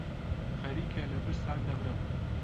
خەریکە لە برسا دەمرم.